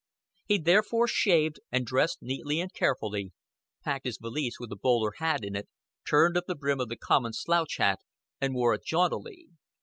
He therefore shaved, and dressed neatly and carefully; packed his valise with the bowler hat in it, turned up the brim of the common slouch hat and wore it jauntily.